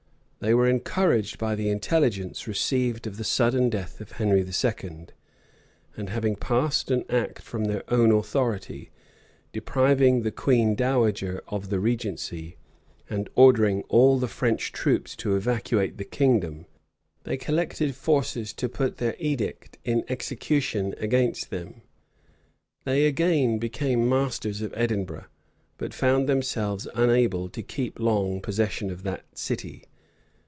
They were encouraged by the intelligence received of the sudden death of Henry II.; and having passed an act from their own authority, depriving the queen dowager of the regency, and ordering all the French troops to evacuate the kingdom, they collected forces to put their edict in execution against them. They again became masters of Edinburgh; but found themselves unable to keep long possession of that city.